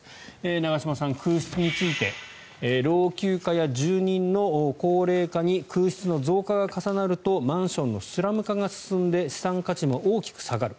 長嶋さん、空室について老朽化や住人の高齢化に空室の増加が重なるとマンションのスラム化が進んで資産価値も大きく下がる。